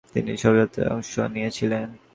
তিনি শবযাত্রায় অংশ নিয়েছিলেন।